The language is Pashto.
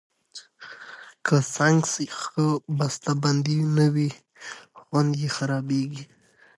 که سنکس ښه بستهبندي نه وي، خوند یې خرابېږي.